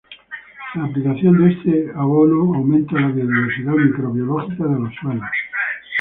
La aplicación de este abono aumenta la biodiversidad microbiológica de los suelos.